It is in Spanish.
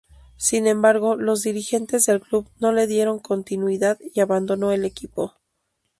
Sin embargo, los dirigentes del club no le dieron continuidad y abandonó el equipo.